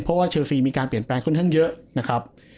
เพราะว่าเชลซีมีการเปลี่ยนแปลงค่อนข้างเยอะนะครับ